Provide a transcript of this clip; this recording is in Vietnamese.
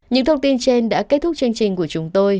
những thông tin trên đã kết thúc chương trình của chúng tôi